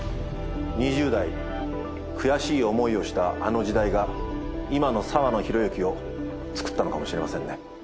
２０代悔しい思いをしたあの時代が今の澤野弘之を作ったのかもしれませんね。